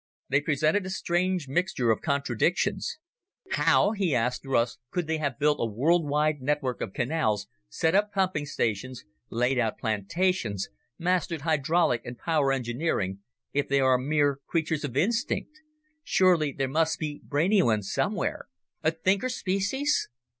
They presented a strange mixture of contradictions. "How," he asked Russ, "could they have built a world wide network of canals, set up pumping stations, laid out plantations, mastered hydraulic and power engineering, if they are mere creatures of instinct? Surely there must be brainy ones somewhere? A thinker species?"